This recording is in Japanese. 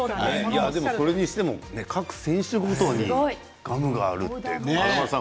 それにしても各選手ごとにガムがあるって。